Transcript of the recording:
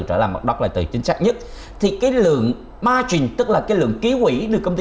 trở lại mặt đất lại từ chính xác nhất thì cái lượng margin tức là cái lượng ký quỷ được công ty